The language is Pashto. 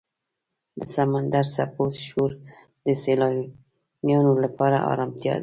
د سمندر څپو شور د سیلانیانو لپاره آرامتیا ده.